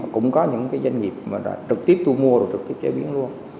cũng có những cái doanh nghiệp trực tiếp thu mua rồi trực tiếp chế biến luôn